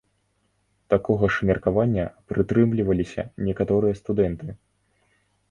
Такога ж меркавання прытрымліваліся некаторыя студэнты.